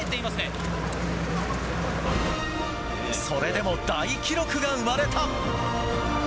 それでも大記録が生まれた。